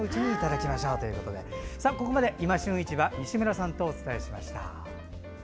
ここまで「いま旬市場」西村さんとお伝えしました。